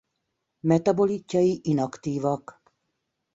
Metabolitjai inaktívak.